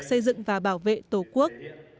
xây dựng và bảo vệ tổ quốc